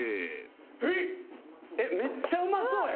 えっめっちゃうまそうやけど。